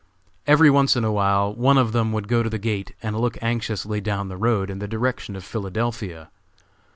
Every once in a while one of them would go to the gate and look anxiously down the road, in the direction of Philadelphia.